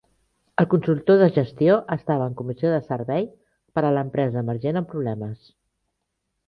El consultor de gestió estava en comissió de servei per a l'empresa emergent en problemes